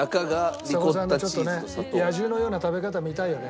ちさ子さんのちょっとね野獣のような食べ方見たいよね。